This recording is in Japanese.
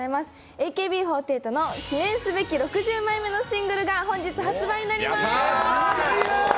ＡＫＢ４８の記念すべき６０枚目のシングルが本日発売になります。